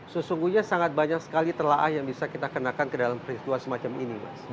sesungguhnya sangat banyak sekali telah yang bisa kita kenakan ke dalam peristiwa semacam ini mas